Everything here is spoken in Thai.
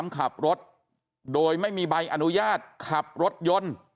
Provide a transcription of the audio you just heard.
ขับรถโดยไม่มีใบอนุญาตขับรถยนต์